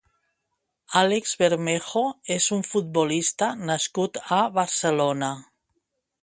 Álex Bermejo és un futbolista nascut a Barcelona.